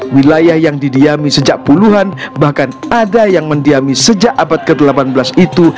wilayah yang didiami sejak puluhan bahkan ada yang mendiami sejak abad ke delapan belas itu